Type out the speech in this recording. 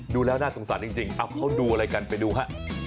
ดูแล้วน่าสงสารจริงเขาดูอะไรกันไปดูฮะ